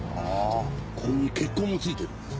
ここに血痕も付いてる。